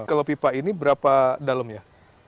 kalau pipa ini berapa dalemnya